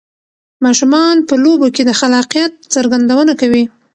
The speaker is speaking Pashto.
ماشومان په لوبو کې د خلاقیت څرګندونه کوي.